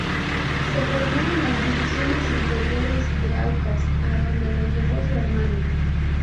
Se formó en las divisiones inferiores de Aucas, a donde lo llevó su hermano.